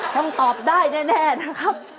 ต้องตอบได้แน่นะครับ